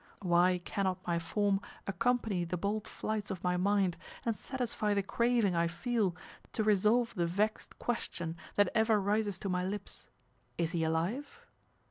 Why cannot my form accompany the bold flights of my mind and satisfy the craving I feel to resolve the vexed question that ever rises to my lips "Is he alive?"